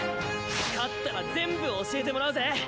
勝ったら全部教えてもらうぜ！